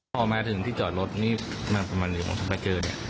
พอมาถึงที่จอดรถนี่มาประมาณเร็วมาเจอเนี่ย